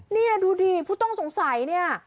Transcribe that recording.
นี่ดูดิผู้ต้องสงสัยเนี่ย